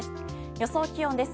予想気温です。